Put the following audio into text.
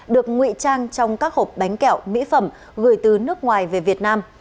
được nguy trang trong các hộp bánh kẹo mỹ phẩm gửi từ nước ngoài về việt nam